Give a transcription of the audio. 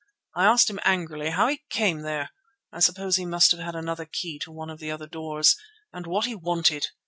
I asked him angrily how he came there (I suppose he must have had another key to one of the other doors) and what he wanted.